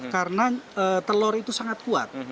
karena telur itu sangat kuat